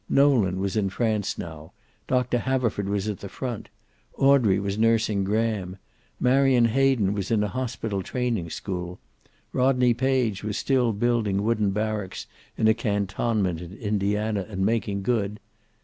Nolan was in France now. Doctor Haverford was at the front. Audrey was nursing Graham. Marion Hayden was in a hospital training School. Rodney Page was still building wooden barracks in a cantonment in Indiana, and was making good.